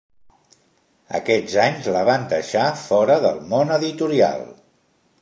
Aquests anys la van deixar fora del món editorial.